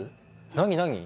何何？